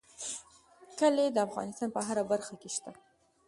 کلي د افغانستان په هره برخه کې شته.